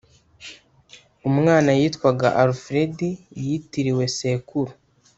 umwana yitwaga alfred yitiriwe sekuru.